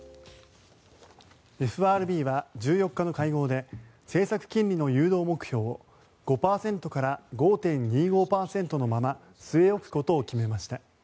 ＦＲＢは１４日の会合で政策金利の誘導目標を５％から５．２５％のまま据え置くことを決めました。